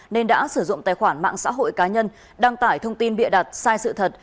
nên đã sử dụng tài khoản mạng xã hội cá nhân đăng tải thông tin bịa đặt sai sự thật